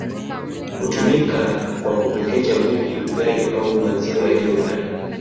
Hutumika kwa kupekechea uji ugali au maziwa yaliyoganda